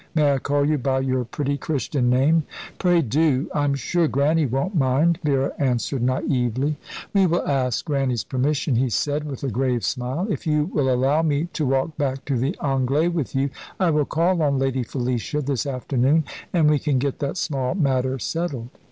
May I call you by your pretty Christian name?" "Pray do. I'm sure Grannie won't mind," Vera answered naïvely. "We will ask Grannie's permission," he said, with a grave smile. "If you will allow me to walk back to the 'Anglais' with you, I will call on Lady Felicia this afternoon, and we can get that small matter settled."